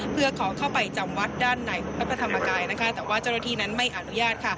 เพื่อขอเข้าไปจำวัดด้านในพระธรรมกายนะคะแต่ว่าเจ้าหน้าที่นั้นไม่อนุญาตค่ะ